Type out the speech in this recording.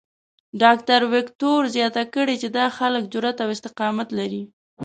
ډاکټر وېکټور زیاته کړې چې دا خلک جرات او استقامت لري.